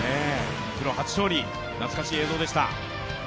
プロ初勝利懐かしい映像でした。